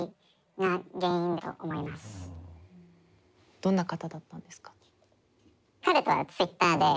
どんな方だったんですか？